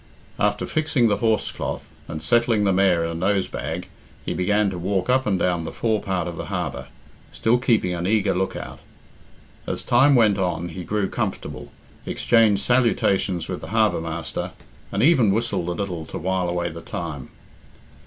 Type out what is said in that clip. After fixing the horse cloth, and settling the mare in a nose bag, he began to walk up and down the fore part of the harbour, still keeping an eager look out. As time went on he grew comfortable, exchanged salutations with the harbour master, and even whistled a little to while away the time.